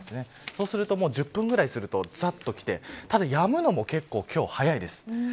そうすると１０分ぐらいすると、ざっときてただ、やむのも今日結構早いです。